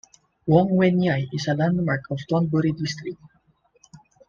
Wong Wein Yai is a landmark of Thonburi District.